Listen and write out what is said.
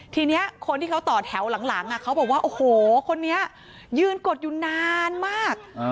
ทีนี้คนที่เขาต่อแถวหลังเขาบอกว่าโอ้โหคนนี้ยืนกดอยู่นานมาก